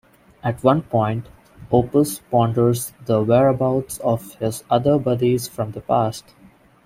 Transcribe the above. At one point, Opus ponders the whereabouts of his other buddies from the past.